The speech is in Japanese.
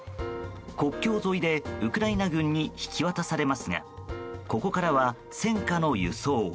国境沿いでウクライナ軍に引き渡されますがここからは戦火の輸送。